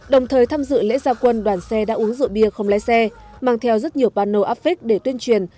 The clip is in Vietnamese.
đồng thời tham dự lễ gia quân đoàn xe đã uống rượu bia không lái xe mang theo rất nhiều panel affect để tuyên truyền